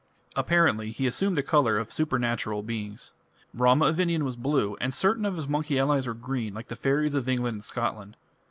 Apparently he assumed the colour of supernatural beings. Rama of India was blue, and certain of his monkey allies were green, like the fairies of England and Scotland.